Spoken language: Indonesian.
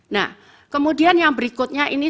nah kemudian yang berikutnya ini